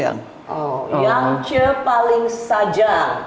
yang che paling sajang